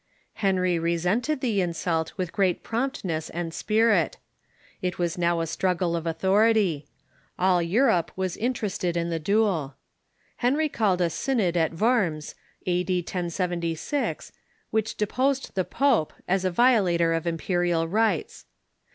Henry resented the insult with great promptness and spirit. It Avas now a strug gle of authority. All Europe was interested in the duel. Henry called a synod at Worms, a.d. 1076, which deposed the pope, as a violator of imperial rights.